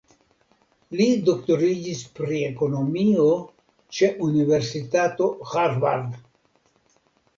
Li doktoriĝis pri ekonomio ĉe Universitato Harvard.